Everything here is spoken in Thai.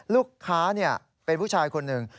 ลูกค้าเป็นผู้ชายคนหนึ่ง